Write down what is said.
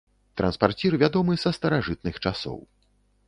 Транспарцір вядомы са старажытных часоў.